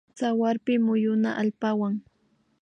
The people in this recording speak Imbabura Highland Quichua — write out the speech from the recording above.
Tsawarpi muyuna allpawan